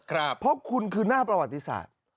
เพราะคุณคือหน้าประวัติศาสตร์